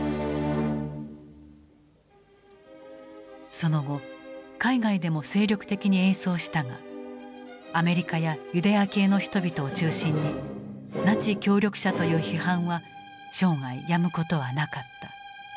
その後海外でも精力的に演奏したがアメリカやユダヤ系の人々を中心に「ナチ協力者」という批判は生涯やむことはなかった。